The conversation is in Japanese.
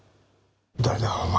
「誰だ？お前」